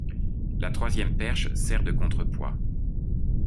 La troisième perche sert de contrepoids.